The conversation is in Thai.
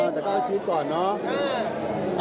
แต่ก็อาชิกก่อนเนอะ